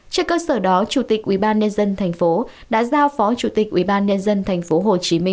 trên cơ sở đó chủ tịch ubnd tp đã giao phó chủ tịch ubnd tp hcm